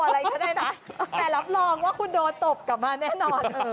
อะไรก็ได้นะแต่รับรองว่าคุณโดนตบกลับมาแน่นอน